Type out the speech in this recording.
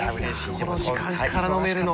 この時間から飲めるの。